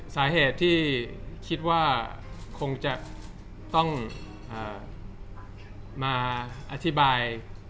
สาเหตุที่คิดว่าคงจะต้องมาอธิบาย